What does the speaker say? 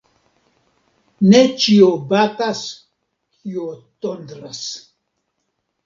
Ne ĉio batas, kio tondras.